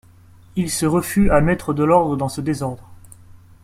Il se refus à mettre de l'ordre dans ce désordre.